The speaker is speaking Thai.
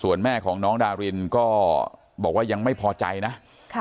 ส่วนแม่ของน้องดารินก็บอกว่ายังไม่พอใจนะค่ะ